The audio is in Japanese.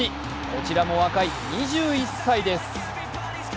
こちらも若い２１歳です。